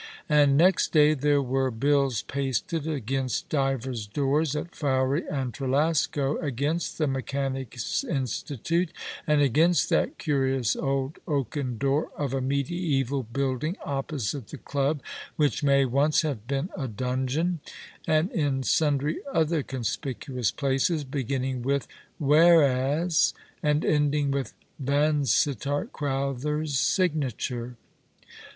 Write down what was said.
And next day there were bills pasted against divers doors at Fowey and Trelasco, against the Mechanics' Institute, and against that curious old oaken door of a mediaeval building opposite the club, which may once have been a donjon, and in sundry other conspicuous places, beginning with "Whereas," and ending with Van sittart Crowther's signature.